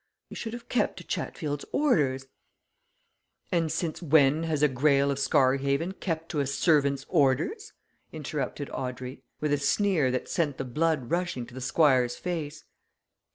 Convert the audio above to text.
You should have kept to Chatfield's orders " "And since when has a Greyle of Scarhaven kept to a servant's orders?" interrupted Audrey, with a sneer that sent the blood rushing to the Squire's face.